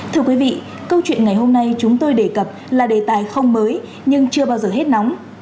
thưa quý vị câu chuyện ngày hôm nay chúng tôi đề cập là đề tài không mới nhưng chưa bao giờ hết nóng